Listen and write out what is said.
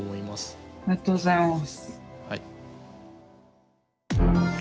ありがとうございます。